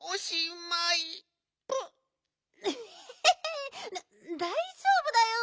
エヘヘだだいじょうぶだよ。